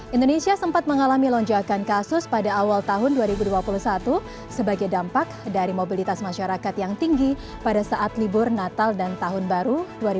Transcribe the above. indonesia sempat mengalami lonjakan kasus pada awal tahun dua ribu dua puluh satu sebagai dampak dari mobilitas masyarakat yang tinggi pada saat libur natal dan tahun baru dua ribu dua puluh